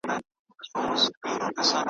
ژوند سرود .